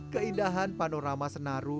keindahan panorama senaru